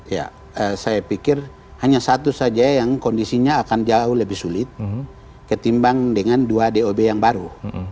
ya saya pikir hanya satu saja yang kondisinya akan jauh lebih sulit ketimbang dengan dua dob yang baru